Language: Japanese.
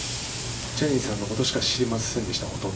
ジャニーさんのことしかほとんど知りませんでした。